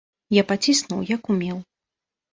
Я паціснуў, як умеў.